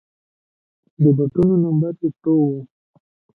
د بوټو نمبر يې څو و